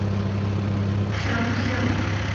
郑橞祖籍清华处永福县槊山社忭上乡。